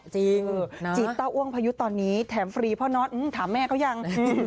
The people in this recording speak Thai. จีบเต้าอ้วงพายุตอนนี้แถมฟรีพ่อน็อตถามแม่เขายัง